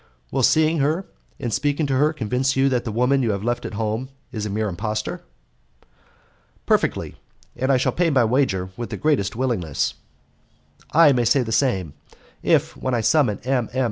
"Will seeing her and speaking to her convince you that the woman you have left at home is a mere impostor?" "Perfectly, and I shall pay my wager with the greatest willingness." "I may say the same. If, when I summon M. M.